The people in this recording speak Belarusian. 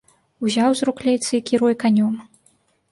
Узяў з рук лейцы і кіруе канём.